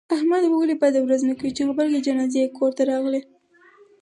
احمد به ولې بده ورځ نه کوي، چې غبرگې جنازې یې کورته راغلې.